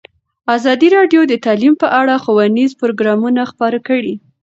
ازادي راډیو د تعلیم په اړه ښوونیز پروګرامونه خپاره کړي.